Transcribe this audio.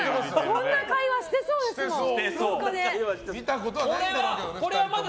こんな会話してそうですもん廊下で。